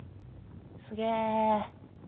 すげぇ。